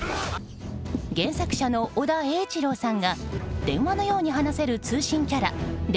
原作者の尾田栄一郎さんが電話のように話せる通信キャラ電